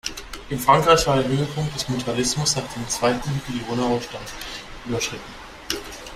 In Frankreich war der Höhepunkt des Mutualismus nach dem zweiten Lyoner Aufstand überschritten.